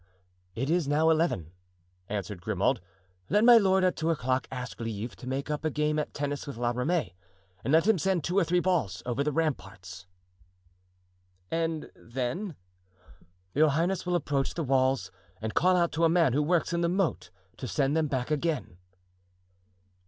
"It is now eleven," answered Grimaud. "Let my lord at two o'clock ask leave to make up a game at tennis with La Ramee and let him send two or three balls over the ramparts." "And then?" "Your highness will approach the walls and call out to a man who works in the moat to send them back again."